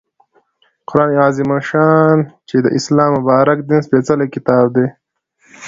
قرآن عظیم الشان چې د اسلام د مبارک دین سپیڅلی کتاب دی